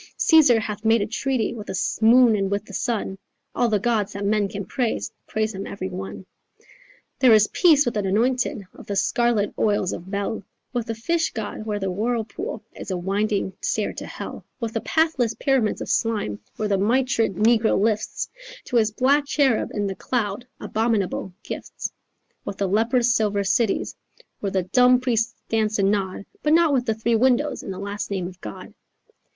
Caesar hath made a treaty With the moon and with the sun, All the gods that men can praise Praise him every one. There is peace with the anointed Of the scarlet oils of Bel, With the Fish God, where the whirlpool Is a winding stair to hell, With the pathless pyramids of slime, Where the mitred negro lifts To his black cherub in the cloud Abominable gifts, With the leprous silver cities Where the dumb priests dance and nod, But not with the three windows And the last name of God.